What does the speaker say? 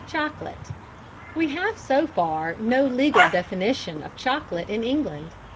CHOCOLATE. We have so far no legal definition of chocolate in England.